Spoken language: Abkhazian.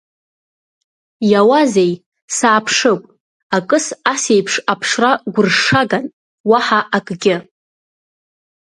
Иауазеи, сааԥшып, акыс асеиԥш аԥшра гәыршшаган, уаҳа акгьы.